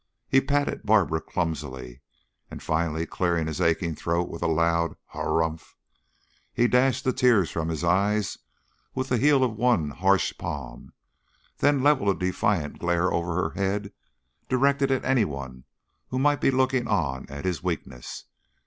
He patted Barbara clumsily, and finally cleared his aching throat with a loud "Harrumph!" He dashed the tears from his eyes with the heel of one harsh palm, then leveled a defiant glare over her head, directed at anyone who might be looking on at his weakness.